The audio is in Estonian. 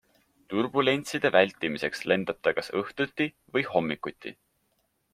Turbulentside vältimiseks lendab ta kas õhtuti või hommikuti.